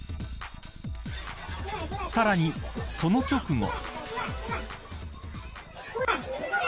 さらにその直後。